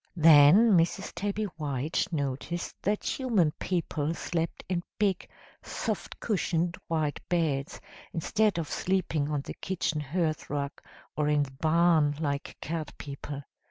"Then Mrs. Tabby White noticed that human people slept in big soft cushioned white beds, instead of sleeping on the kitchen hearth rug, or in the barn, like cat people.